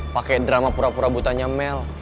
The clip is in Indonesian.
pakai drama pura pura butanya mel